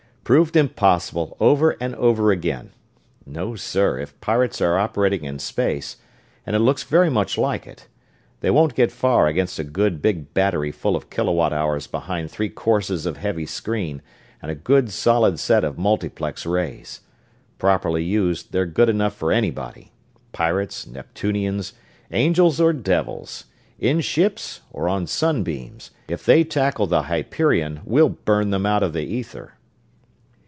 Proved impossible, over and over again. No, sir, if pirates are operating in space and it looks very much like it they won't get far against a good big battery full of kilowatt hours behind three courses of heavy screen, and a good solid set of multiplex rays. Properly used, they're good enough for anybody. Pirates, Neptunians, angels, or devils in ships or on sunbeams if they tackle the Hyperion we'll burn them out of the ether!"